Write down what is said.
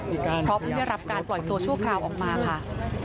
เพราะเพิ่งได้รับการปล่อยตัวชั่วคราวออกมาค่ะ